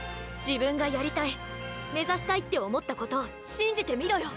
自分がやりたい目指したいって思ったことを信じてみろよ。